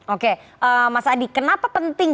oke mas adi kenapa penting